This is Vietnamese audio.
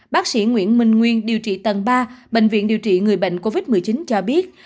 bác sĩ nguyễn minh nguyên điều trị tầng ba bệnh viện điều trị người bệnh covid một mươi chín cho biết